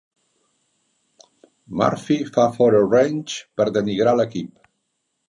Murphy fa fora Ranch per denigrar l'equip.